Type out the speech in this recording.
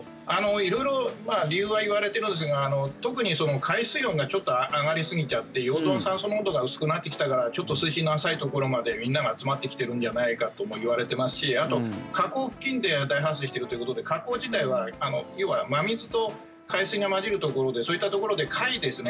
色々理由は言われてるんですが特に海水温がちょっと上がりすぎちゃって溶存酸素濃度が薄くなってきたからちょっと水深の浅いところまでみんなが集まってきてるんじゃないかともいわれてますしあと河口付近で大発生しているということで河口自体は真水と海水が混じるところでそういったところで貝ですね